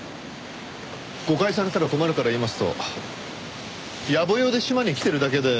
誤解されたら困るから言いますと野暮用で島に来てるだけで。